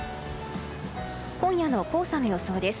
今夜の黄砂の予想です。